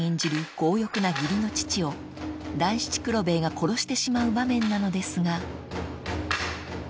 強欲な義理の父を団七九郎兵衛が殺してしまう場面なのですが］